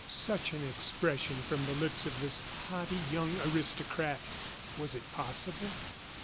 Such an expression from the lips of this haughty young aristocrat! Was it possible?